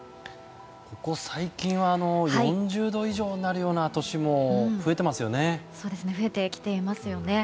ここ最近は４０度以上になるような年も増えてきていますよね。